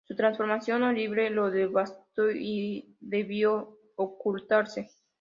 Su transformación horrible lo devastó y debió ocultarse.